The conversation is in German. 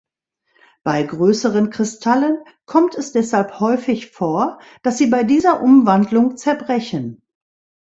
Bei größeren Kristallen kommt es deshalb häufig vor, dass sie bei dieser Umwandlung zerbrechen.